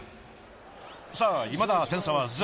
さあいまだ点差は０。